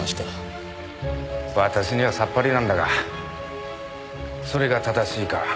私にはさっぱりなんだがそれが正しいか